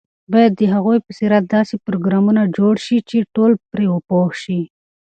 باید د هغوی په سیرت داسې پروګرامونه جوړ شي چې ټول پرې پوه شي.